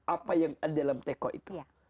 apa yang ada dalam teko itu